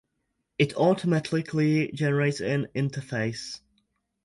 it automatically generates an interface